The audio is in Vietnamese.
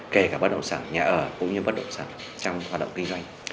kể cả bất động sản nhà ở cũng như bất động sản trong hoạt động kinh doanh